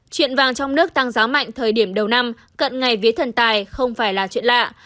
chuyện vàng trong nước tăng giá mạnh thời điểm đầu năm cận ngày vía thần tài không phải là chuyện lạ